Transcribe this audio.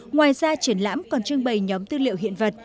ngoài ra triển lãm còn trưng bày nhóm tư liệu hiện vật